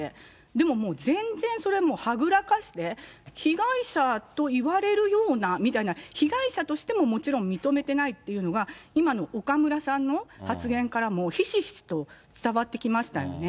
でももう、全然それをはぐらかして、被害者といわれるようなみたいな、被害者としてももちろん認めていないというのが、今の岡村さんの発言からも、ひしひしと伝わってきましたよね。